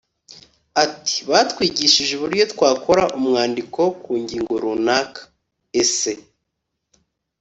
Ati “Batwigishije uburyo twakora umwandiko ku ngingo runaka (essai)